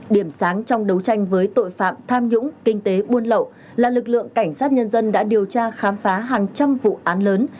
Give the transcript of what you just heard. điểm sáng trong đấu tranh với tội phạm tham nhũng kinh tế buôn lậu là lực lượng cảnh sát nhân dân đã điều tra khám phá hàng trăm vụ án lớn